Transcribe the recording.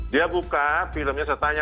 dia buka filmnya saya tanya